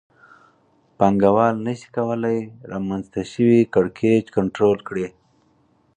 پانګوال نشي کولای رامنځته شوی کړکېچ کنټرول کړي